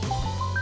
kamu mau pesen apa